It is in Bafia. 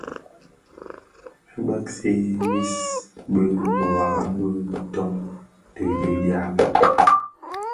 Bë bëgsi mis bi biwara bi titōň ti dyaba.